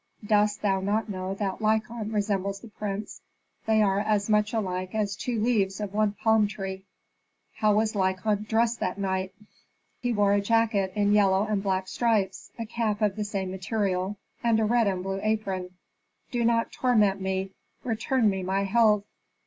"Dost thou not know that Lykon resembles the prince? They are as much alike as two leaves of one palm tree." "How was Lykon dressed that night?" "He wore a jacket in yellow and black stripes, a cap of the same material, and a red and blue apron. Do not torment me; return me my health!